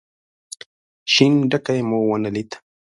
شين ډکی مو ونه ليد.